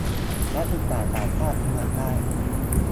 นักศึกษาต่างชาติสมัครได้